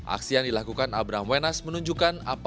aksi yang dilakukan abraham wenas menunjukkan